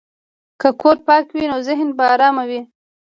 که کور پاک وي، نو ذهن به ارام وي.